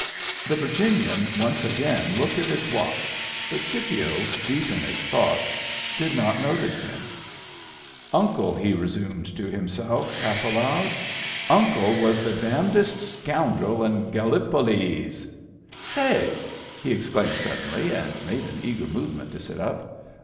The Virginian once again looked at his watch, but Scipio, deep in his thoughts, did not notice him. "Uncle," he resumed to himself, half aloud, " Uncle was the damnedest scoundrel Digitized by Google 30 MEMBERS OF THE FAMILY in GallipoW^^. — Say!" he exclaimed suddenly, and made an eager movement to sit up.